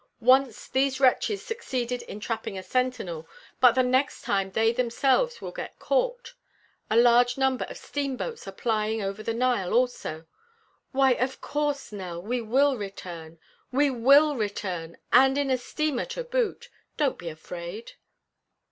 Once these wretches succeeded in trapping a sentinel, but the next time they themselves will get caught. A large number of steamboats are plying over the Nile also Why, of course, Nell, we will return. We will return, and in a steamer to boot. Don't be afraid."